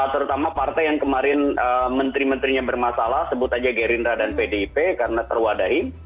terutama partai yang kemarin menteri menterinya bermasalah sebut aja gerindra dan pdip karena terwadahi